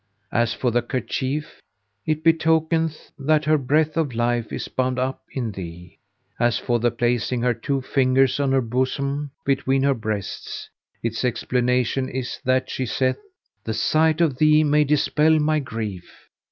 As for the kerchief, it betokeneth that her breath of life is bound up in thee. As for the placing her two fingers on her bosom between her breasts, its explanation is that she saith; 'The sight of thee may dispel my grief.'